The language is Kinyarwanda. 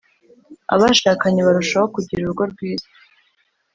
Abashakanye barushaho kugira urugo rwiza